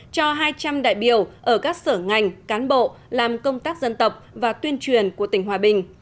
cho hai trăm linh đại biểu ở các sở ngành cán bộ làm công tác dân tộc và tuyên truyền của tỉnh hòa bình